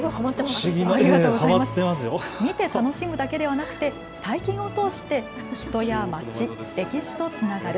見て楽しむだけではなくて体験を通して人や街、歴史とつながる。